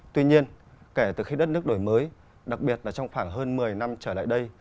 tuy nhiên kể từ khi đất nước đổi mới đặc biệt là trong khoảng hơn một mươi năm trở lại đây